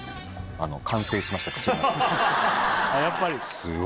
やっぱり？